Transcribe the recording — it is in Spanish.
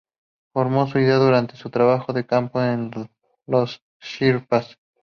Formó sus ideas durante su trabajo de campo con los Sherpas.